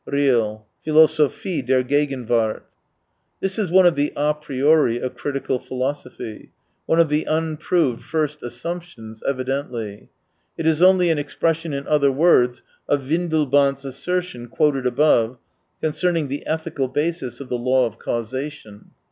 (Riehl — Philoso phie der Gegenzoart.) This is one of the a priori of critical philosophy — one of the unproved first assumptions, evi dently. It is only an expression in other words of Windelband's assertion quoted above, concerning the ethical basis of the law of causation.